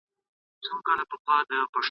په مرګ به یې زما په څېر خواشینی سوی وي ..